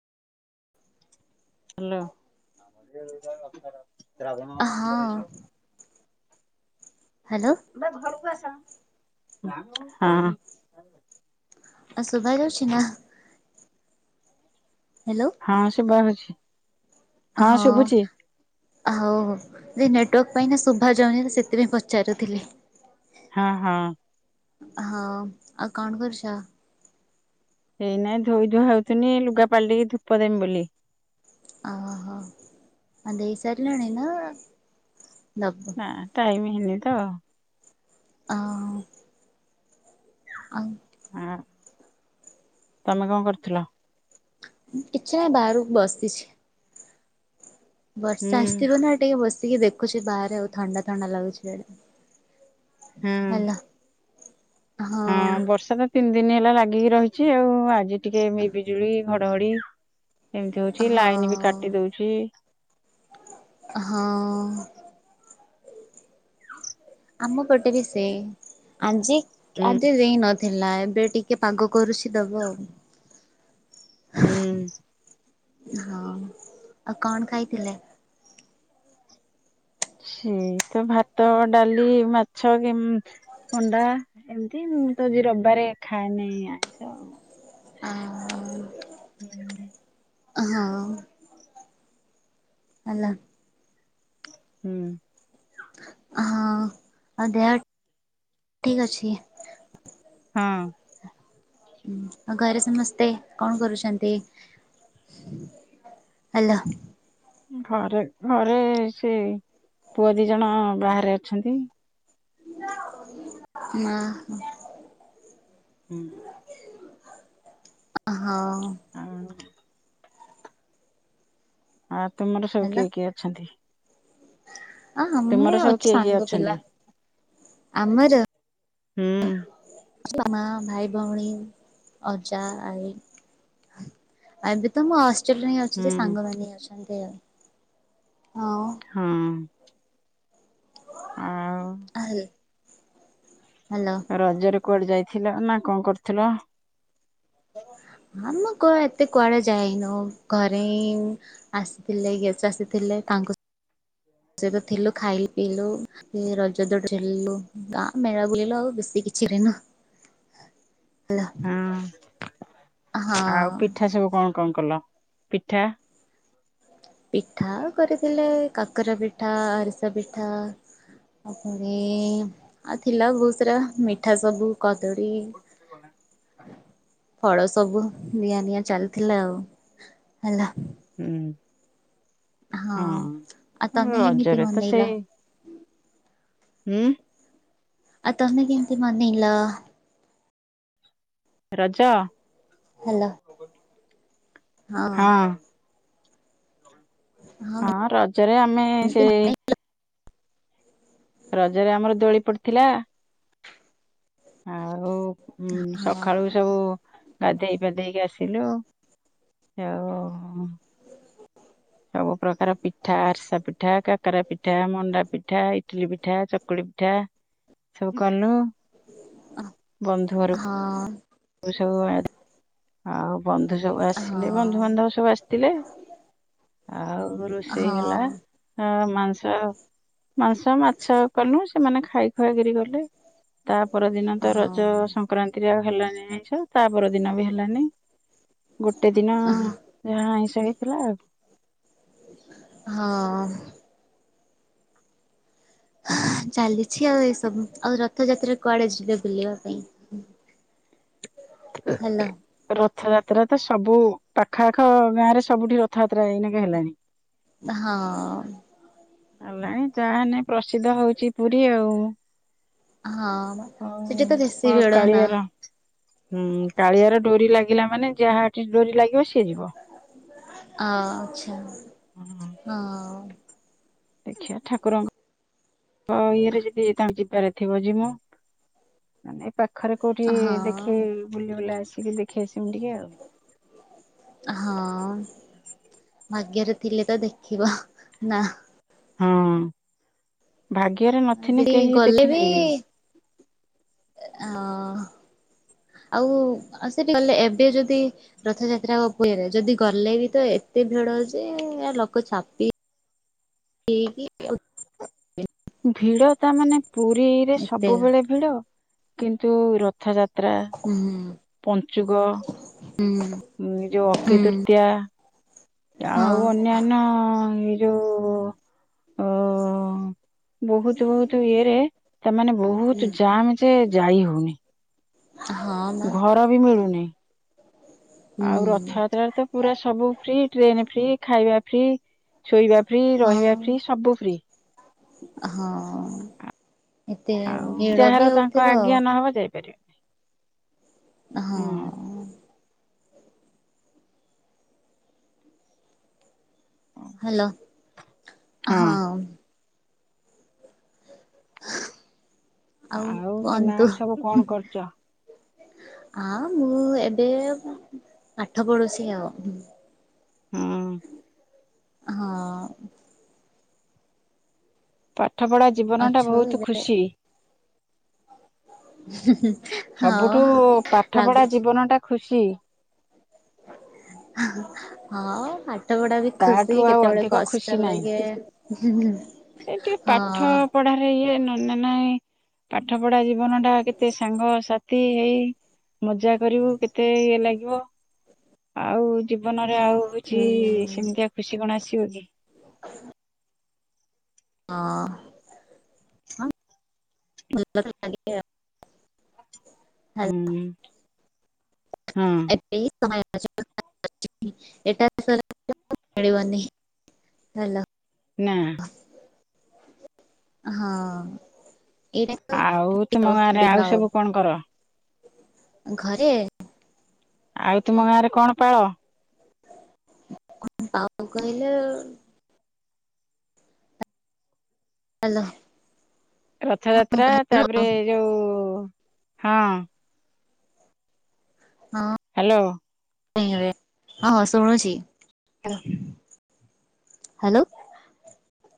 Hello. ହଁ hello. ବା ଘରକୁ ଆସ ହଁ। ଆଉ ଶୁଭା ଯାଉଛି ନା? ହ୍ୟାଲୋ। ହଁ ସୁଭା ହଉଛି। ହଁ। ହଉ ଯେ ନେଟୱାର୍କ ପାଇଁ ନା ଶୁଭା ଯାଉନି ତ ସେଥିପାଇଁ ପଚାରୁଥିଲି। ହଁ ହଁ। ହଁ ଆଉ କଣ କରୁଛ? କେହି ନାଇଁ ଧୋଇ ଧୁଆ ହଉଥିଲି ଲୁଗା ପାଲଟିକି ଧୂପ ଦେମି ବୋଲି। ଆ ହୋ ହୋ ଆ ଦେଇ ସାରିଲଣି ନା। ଦବ ନା ଟାଇମ ହେଇନି ତ। ହଁ। ଆଉ [unintelligible] ତମେ କଣ କରୁଥିଲ?? କିଛି ନାଇଁ ବାହାରକୁ ବସିଛି। ହୁଁ ବର୍ଷା ଆସିଥିବ ନା ଟିକେ ବସିକି ଦେଖୁଛି ବାହାରେ ଆଉ ଥଣ୍ଡା ଥଣ୍ଡା ଲାଗୁଛି। ହୁଁ ହେଲୋ ହଁ। ହଁ ବର୍ଷା ତ ତିନି ଦିନ ହେଲା ଲାଗିକି ରହିଛି ଆଉ ଆଜି ଟିକେ ବିିଜୁଳି ଘଡଘଡି ଏମିତି ହଉଛି ଲାଇନ ବି ହଁ କାଟି ଦଉଛି। ହଁ। ଆମ ପଟେ ବି ସେ ଆଜି ହୁଁ ଆଜି ଦେଇ ନ ଥିଲା ଏବେ ଟିକେ ପାଗ କରୁଛି ଦବ ଆଉ। ହୁଁ। ହଁ ଆଉ କଣ ଖାଇଥିଲେ? ସେଇ ତ ଭାତ ଡାଲି ମାଛ। ଥଣ୍ଡା ଏମିତି ମୁଁ ତ ଆଜି ରବିବାରେ ଖାଏନାଇ ଆଇଁଷ ଆଉ। ହଁ ହ। [inaudible] ହଁ। ହଲୋ। ହୁଁ। ହଉ ଦେହ ଠିକ୍ ଅଛି। ହଁ। ହଁ ଆଉ ଘରେ ସମସ୍ତେ କଣ କରୁଛନ୍ତି? [inaudible] ହାଲୋ ଘରେ ଘରେ ସେ ପୁଅ ଦି ଜଣ ବାହାରେ ଅଛନ୍ତି। [inaudible] ନା। ହୁଁ। [unintelligible] ହଁ। ଆଉ ତୁମର ସବୁ କିଏ କିଏ ଅଛନ୍ତି? ଅ ଆମେ ତୁମର ସବୁ ଅଛୁ କିଏ କିଏ ସାଙ୍ଗ ଅଛନ୍ତି? ପିଲା। ଆମର ହୁଁ। [inaudible] ତମ ଭାଇ ଭଉଣୀ ଅଜା ଆଈ ଏବେ ତ ମୁଁ ଅ ହଷ୍ଟେଲ୍ ରେ ହିଁ ଅଛି ଯେ ହୁଁ ସାଙ୍ଗମାନେ ଅଛନ୍ତି ଆଉ। ହଁ ହଁ। ଆଉ [unintelligible] ହଲୋ ରଜରେ କୁଆଡେ ଯାଇଥିଲ ନା କଣ କରୁଥିଲ? ଆମେ କୁଆ ଏତେ କୁଆଡେ ଯାଇନୁ ଘରେ ହିଁ ଆସିଥିଲେ ଗେଷ୍ଟ ଆସିଥିଲେ ତାଙ୍କୁ ସହିତ ଥିଲୁ ଖାଇଲୁ ପିଇଲୁ ସେ ରଜ ଦୋଳି ଚେଲିଲୁ ଗାଁ ମେଳା ବୁଲିଲୁ ଆଉ ବେଶୀ କିଛି ଦିନ [inaudible] ହେଲୋ ହଁ ଆଉ ପିଠା ସବୁ କଣ କଣ କଲ? ପିଠା। ପିଠା କରିଥିଲେ କାକରା ପିଠା, ଆରିସା ପିଠା। ଆ ପୁଣି ଆଉ ଥିଲା ବହୁତ ସାରା ମିଠା ସବୁ କଦଳୀ [inaudible] ଫଳ ସବୁ ନିଆଁ ନିଆଁ ଚାଲିଥିଲା ଆଉ ହେଲା। ହୁଁ ହଁ ଆଉ ତମେ ହଁ କେମିତି ରଜରେ ତ ମନେଇଲ ସେଇ ହୁଁ। ଆଉ ତମେ ମନେଇଲ? ରଜ। ହାଲୋ ହଁ। ହଁ ରଜରେ ଆମେ ସେ ଏମିତି ମାନେ ରଜରେ ଆମର ଦୋଳି ପଡିଥିଲା। ଆଉ ଉଁ ହଁ ସଖାଳୁ ସବୁ ଗାଧେଇ ପାଧେଇକି ଆସି ଥିଲୁ ଆଉ ଉଁ ସବୁ ପ୍ରକାର ପିଠା ଆରିସା ପିଠା, କାକେରା ପିଠା, ମଣ୍ଡା ପିଠା, ଇଟିଲି ପିଠା, ଚ କୁଳି ପିଠା ସବୁ କଲୁ ବନ୍ଧୁ ଘରୁ ହଁ। ଏଇ ସବୁ ଆ ଆଉ ବନ୍ଧୁ ସବୁ ଆସିଲେ ହଁ ବନ୍ଧୁବାନ୍ଧବ ସବୁ ଆସିଥିଲେ। ଆଉ ରୁ-ରୋଷେଇ ହେଲା ହଁ ହଁ ମାଂସ ମାଂସ ମାଛ କଲୁ ସେମାନେ ଖାଇ ଖୁଆକିରି ଗଲେ। ତା ପରଦିନ ତ ହଁ ରଜ ସଂକ୍ରାନ୍ତିରେ ହେଲାନି ଆଇଁଷ ତା ପରଦିନ ବି ହେ ହେଲାନି ଗୋଟେ ଦିନ ଯାହା ଆଇଁଷ ହେଇଥିଲା ଆଉ। ହଁ। ହଁ। ଚାଲିଛି ଆଉ ଏସବୁ ଆଉ ରଥଯାତ୍ରା କୁଆଡ଼େ ଯିବେ ବୁଲିବା ପାଇଁ? ଏ ହାଲୋ ରଥଯାତ୍ରା ତ ସବୁ ପାଖ ଆଖ ଗାଁରେ ସବୁଠି ରଥଯାତ୍ରା ଏଇନାକେ ହେଲାଣି। ହଁ। ହେଲାଣି ଯାହା ହେନେ ପ୍ରସିଦ୍ଧ ହଉଛି ପୁରୀ ଆଉ। ହଁ ଆଉ ସେଠି ତ ବେଶୀ ଅ ଭିଡ ନା କାଳିଆର ହୁଁ କାଳିଆର ଡୋରି ଲାଗିଲା ମାନେ ଯାହାଠି ଡୋରି ଲାଗିବ ସିଏ ଯିବ। ଅଁ ଆଚ୍ଛା ହଁ ହଁ। ଦେଖିଆ ଠାକୁରଙ୍କ କ ଇଏରେ ଯଦି ତାଙ୍କ ଯିବାରେ ଥିବ ଯିମୁ ମାନେ ପାଖରେ କୋଉଠି ହଁ ଦେଖେଇ ବୁଲି ବୁଲା ଆସିକି ଦେଖି ଆସିମୁ ଟିକେ ଆଉ। ହଁ ଭାଗ୍ୟରେ ଥିଲେ ତ ଦେଖିବ ନା। ହଁ ଭାଗ୍ୟରେ ନଥିନେ ସେଠି କେହି ଗଲେ ଦେଖିପାରିବେନି। ଅଁ ଆଉ ଅ ସେଠି ଗଲେ ଏବେ ଯଦି ରଥଯାତ୍ରା ଉପରେ ଯଦି ଗଲେ ବି ତ ଏତେ ଭିଡ ଯେ ଲୋକ ଚାପି ହୁଁ ହେଇକି [unintelligible] ଭିଡ ତା ମାନେ ପୁରୀରେ ଏତେ ସବୁବେଳେ ଭିଡ କିନ୍ତୁ ରଥଯା ହୁଁ ହୁଁ। ଉଁ ଯୋଉ ଅକ୍ଷୟୀ ହୁଁ ତୃତୀୟା ଆଉ ହଁ। ଅନ୍ୟା ନ୍ୟ ଏଇ ଯୋଉ ଅ ବହୁତ ବହୁ ତୁ ଇଏରେ ସେମାନେ ବହୁତ ଜାମ ଯେ ଯାଇ ହଉନି। ହଁ ବା ଘର ବି ମିଳୁନି ହୁଁ ଆଉ ରଥଯାତ୍ରାରେ ତ ପୁରା ସବୁ ଫ୍ରି ଟ୍ରେନ ଫ୍ରି, ଖାଇବା ଫ୍ରି, ଶୋଇବା ଫ୍ରି, ରହିବା ହଁ। ଫ୍ରି ସବୁ ଫ୍ରି। ହଁ ଏତେ ଭିଡ ବି ହଉଥିବ। ହଁ ବା ଯାଇପାରିବେ। ହୁଁ ହଁ। ହ୍ୟାଲୋ ହଁ। ଆଉ ତମେ କୁହନ୍ତୁ। ଆଉ ସବୁ କଣ କରୁଛ ଆଁ ମୁଁ ଏବେ ଉଁ ପାଠ ପଡୁଛି ଆଉ। ହୁଁ। ହଁ। ପାଠ ପଢା ଜୀବନ ଟା ଅଛୁ ବହୁତ ଏବେ ଖୁସି। ହଁ ସବୁଠୁ ପାଠ ପଢା ଲାଗୁଛି। ଜୀବନ ଟା ଖୁସି। ହଁ ପା ପାଠପଡା ବି ଖୁସି ତାଠୁ ଆଉ କେତେବେଳେ ଅଧିକ ଖୁସି କଷ୍ଟ ନାହିଁ। ଲାଗେ। ସେ ଟିକେ ହଁ। ପାଠ ପଢାରେ ଇଏ ନହେଲେ ନାଇ। ପାଠ ପଢା ଜୀବନ ଟା କେତେ ସାଙ୍ଗ ସାଥି ହେଇ। ମଜା କରିବୁ କେତେ ଇଏ ଲାଗିବ ଆଉ ଜୀବନରେ ଆଉ। ହଉଚି ହୁଁ ସେମିତିଆ ଖୁସି କଣ ଆସିବ କି। ହଁ। ଭ ଲାଗେ ଆଉ। ହୁଁ ହଁ। ଏହି ସମୟ [unintelligible] ଏଟା [unintelligible] ମିଳିବନି ହେଲୋ। ନା। ହଁ ଏଇଟା ଆଉ ତୁମ ତ ଗାଁରେ ଦିନ ଆଉ ସବୁ କଣ କର। ଘରେ। ଆଉ ତୁମ ଗାଁରେ କଣ ପାଳ। ପାଉ କହିଲେ ଅଲୋ। ରଥଯାତ୍ରା ତାପରେ ହଁ ଯୋଉ ହଁ। ହଁ। ହ୍ୟାଲୋ। ହଁ ଶୁଣୁଛି ହ୍ୟାଲୋ।